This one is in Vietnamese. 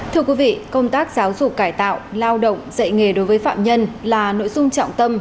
thưa quý vị công tác giáo dục cải tạo lao động dạy nghề đối với phạm nhân là nội dung trọng tâm